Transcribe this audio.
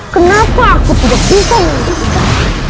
kenapa aku tidak bisa menentukan